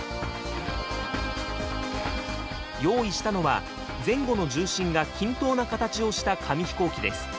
用意したのは前後の重心が均等な形をした紙飛行機です。